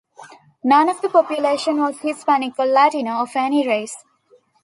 None of the population was Hispanic or Latino of any race.